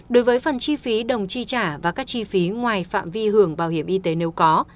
đối với phần chi phí đồng chi trả và các chi phí ngoài phạm vi hưởng bảo hiểm y tế nếu có